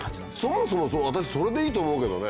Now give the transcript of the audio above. そもそも私それでいいと思うけどね。